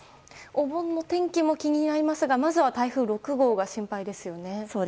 お盆の天気も気になりますがまずは台風６号が心配ですよね。